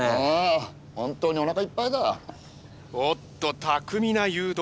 おっと巧みな誘導。